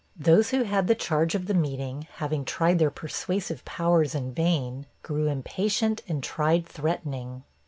Those who had the charge of the meeting, having tried their persuasive powers in vain, grew impatient and tried threatening.